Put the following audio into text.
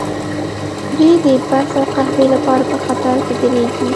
دوی د بس او قهوې لپاره په قطار کې دریږي